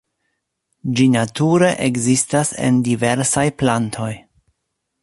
Ĝi nature ekzistas en diversaj plantoj.